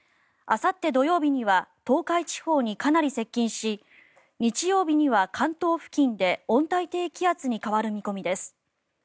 あさって土曜日には東海地方にかなり接近し日曜日には関東付近で温帯低気圧に変わる見込みです。